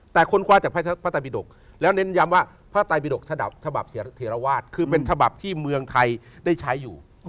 แต่คนคว้าจากพระไตบิดกแล้วเน้นย้ำว่าพระไตบิดกฉบับเทราวาสคือเป็นฉบับที่เมืองไทยได้ใช้อยู่